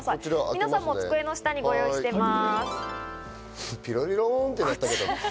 皆さんも机の下にご用意しています。